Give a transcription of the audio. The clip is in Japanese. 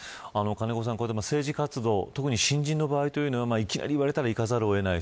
金子さん、政治活動特に新人の場合というのはいきなり言われたら行かざるを得ない。